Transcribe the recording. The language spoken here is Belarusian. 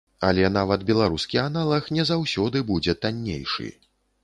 Але нават беларускі аналаг не заўсёды будзе таннейшы.